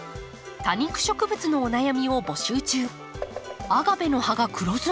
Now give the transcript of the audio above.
多肉植物のお悩みを募集中。